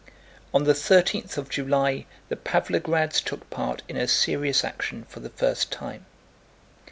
On the thirteenth of July the Pávlograds took part in a serious action for the first time.